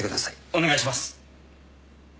お願いします！